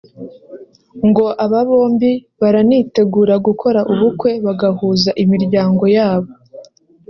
ngo aba bombi baranitegura gukora ubukwe bagahuza imiryango yabo